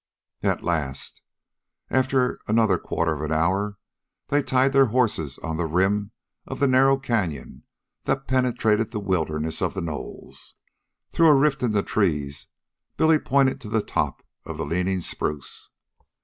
At last, after another quarter of an hour, they tied their horses on the rim of the narrow canyon that penetrated the wilderness of the knolls. Through a rift in the trees Billy pointed to the top of the leaning spruce.